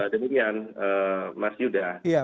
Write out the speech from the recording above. demikian mas yuda